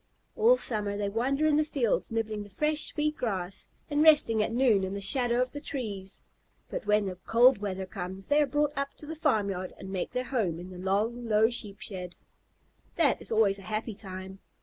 All summer they wander in the fields, nibbling the fresh, sweet grass, and resting at noon in the shadow of the trees, but when the cold weather comes they are brought up to the farmyard and make their home in the long low Sheep shed. That is always a happy time.